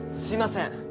すいません。